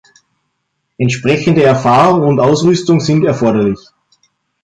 Entsprechende Erfahrung und Ausrüstung sind erforderlich.